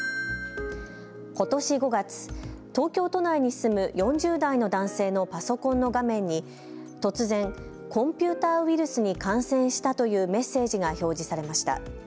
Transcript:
ことし５月、東京都内に住む４０代の男性のパソコンの画面に突然、コンピューターウイルスに感染したというメッセージが表示されました。